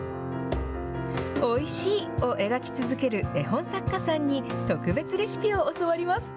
おいしいを描き続ける絵本作家さんに特別レシピを教わります。